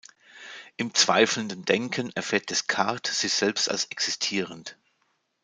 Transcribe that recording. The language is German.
Im zweifelnden Denken erfährt Descartes sich selbst als existierend.